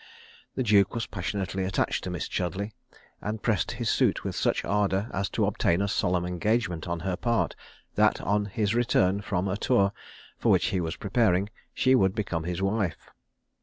The duke was passionately attached to Miss Chudleigh; and pressed his suit with such ardour as to obtain a solemn engagement on her part, that on his return from a tour, for which he was preparing, she would become his wife.